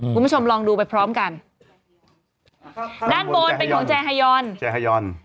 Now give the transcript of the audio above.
คุณผู้ชมลองดูไปพร้อมกันด้านบนเป็นของแจฮายอนเจฮายอน